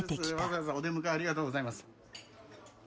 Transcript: わざわざお出迎えありがとうございます。